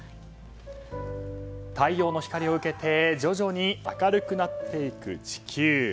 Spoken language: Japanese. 太陽の光を受けて徐々に明るくなっていく地球。